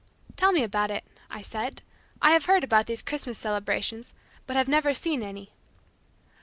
"Tell me about it," I said, "I have heard about these Christmas celebrations, but have never seen any."